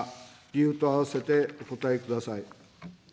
理由と併せてお答えください。